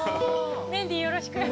メンディーよろしく。